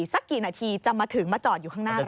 สักกี่นาทีจะมาถึงมาจอดอยู่ข้างหน้า